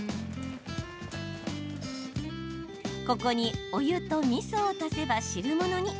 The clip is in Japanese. ここにお湯とみそを足せば汁物に。